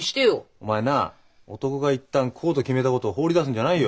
お前なあ男が一旦こうと決めたことを放り出すんじゃないよ。